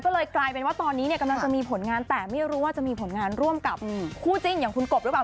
ก็เลยกลายเป็นว่าตอนนี้เนี่ยกำลังจะมีผลงานแต่ไม่รู้ว่าจะมีผลงานร่วมกับคู่จิ้นอย่างคุณกบหรือเปล่า